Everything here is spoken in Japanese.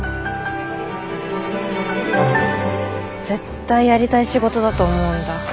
絶対やりたい仕事だと思うんだ。